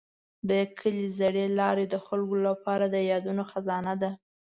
د کلي زړې لارې د خلکو لپاره د یادونو خزانه ده.